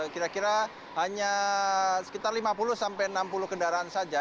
kira kira hanya sekitar lima puluh sampai enam puluh kendaraan saja